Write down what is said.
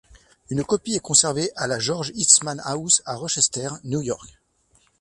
Un copie est conservée à la George Eastman House à Rochester, New York.